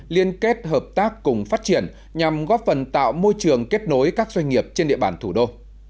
liên kết hợp tác cùng phát triển nhằm góp phần tạo môi trường kết nối các doanh nghiệp trên địa bàn thủ đô